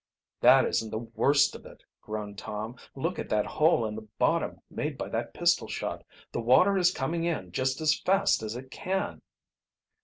"That isn't the worst of it!" groaned Tom. "Look at that hole in the bottom, made by that pistol shot. The water is coming in just as fast as it can."